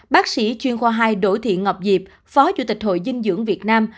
bác sĩ chuyên khoa hai đỗ thị ngọc diệp phó chủ tịch hội dinh dưỡng việt nam